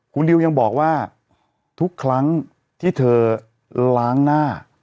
คุณดิวยังบอกว่าทุกครั้งที่เธอล้างหน้า